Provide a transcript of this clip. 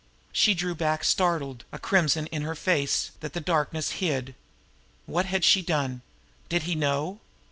She drew back startled, a crimson in her face that the darkness hid. What had she done? Did he know?